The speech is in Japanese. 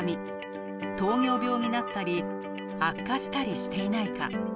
糖尿病になったり悪化したりしていないか。